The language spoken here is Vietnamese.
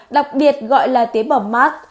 đặc biệt gọi là tế bào mắt